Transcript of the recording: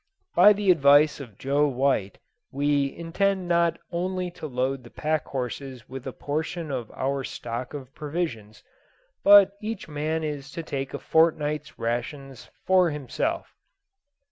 By the advice of Joe White, we intend not only to load the pack horses with a portion of our stock of provisions, but each man is to take a fortnight's rations for himself.